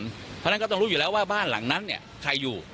เพราะฉะนั้นก็ต้องรู้อยู่แล้วว่าบ้านหลังนั้นเนี่ยใครอยู่